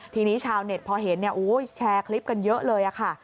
ทีนี้ชาวเน็ตพอเห็นแชร์คลิปกันเยอะเลยค่ะ